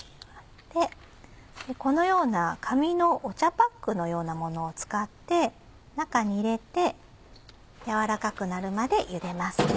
このような紙のお茶パックのようなものを使って中に入れて軟らかくなるまで茹でます。